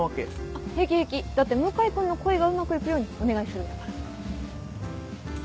あ平気平気だって向井君の恋がうまくいくようにお願いするんだから。